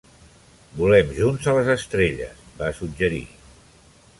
"Volem junts a les estrelles", va suggerir.